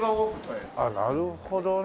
あっなるほどね。